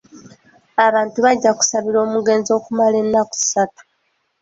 Abantu bajja kusabira omugenzi okumala ennaku ssatu.